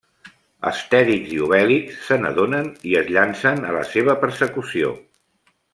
Astèrix i Obèlix se n'adonen i es llancen a la seva persecució.